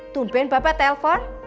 tumpuin bapak telpon